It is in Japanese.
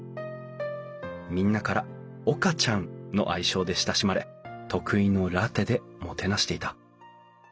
みんなから「岡ちゃん」の愛称で親しまれ得意のラテでもてなしていた。